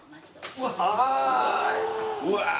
うわ。